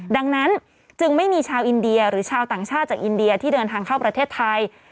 ดังนั้นจึงไม่มีชาวอินเดียหรือชาวต่างชาติจากอินเดียที่เดินทางเข้าประเทศไทย